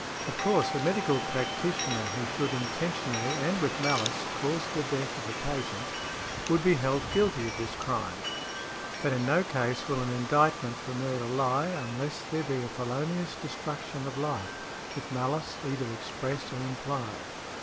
Of course, a medical practitioner who should intentionally, and with malice, cause the death of a patient, would be held guilty of this crime; but in no case will an indictment for murder lie, unless there be a felonious destruction of life, with malice either express or implied.